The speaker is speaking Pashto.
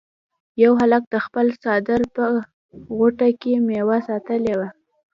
یو هلک د خپل څادر په غوټه کې میوه ساتلې وه.